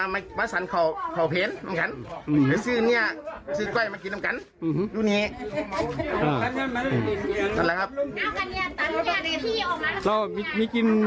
แม่นครับผม